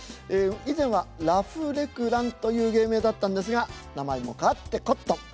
以前はラフレクランという芸名だったんですが名前も変わってコットン。